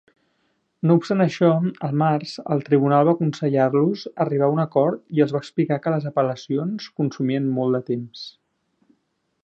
No obstant això, al març, el tribunal va aconsellar-los arribar a un acord i els va explicar que les apel·lacions consumien molt de temps.